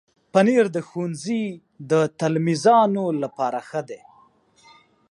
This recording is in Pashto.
پنېر د ښوونځي د تلمیذانو لپاره ښه ده.